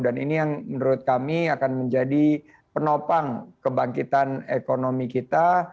dan ini yang menurut kami akan menjadi penopang kebangkitan ekonomi kita